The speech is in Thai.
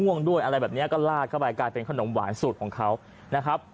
วงด้วยอะไรแบบนี้ก็ลาดเข้าไปกลายเป็นขนมหวานสูตรของเขานะครับ